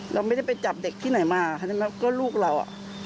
เราไม่ได้ไปจับเด็กที่ไหนมาก็ลูกเราอ่ะ